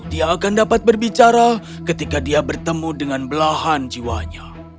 dia akan dapat berbicara ketika dia bertemu dengan belahan jiwanya